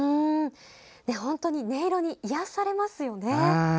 本当に音色に癒やされますよね。